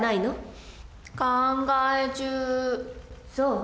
そう。